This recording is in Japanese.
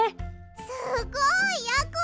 すごいやころ！